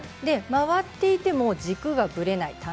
回っていても軸がぶれない。